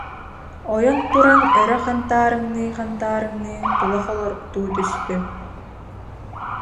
Ойон туран өрө хантаа- рыҥныы-хантаарыҥныы, тула холоруктуу түстүм